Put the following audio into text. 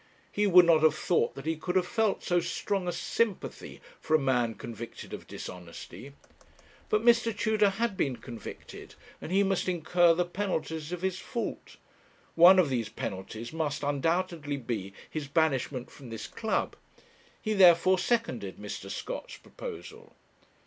He would not have thought that he could have felt so strong a sympathy for a man convicted of dishonesty. But, Mr. Tudor had been convicted, and he must incur the penalties of his fault. One of these penalties must, undoubtedly, be his banishment from this club. He therefore seconded Mr. Scott's proposal.'